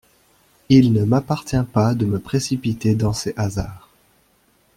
Il ne m'appartient pas de me précipiter dans ces hasards.